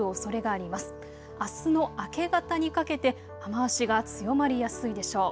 あすの明け方にかけて雨足が強まりやすいでしょう。